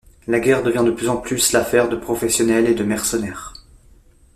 La guerre devient de plus en plus l'affaire de professionnels et de mercenaires.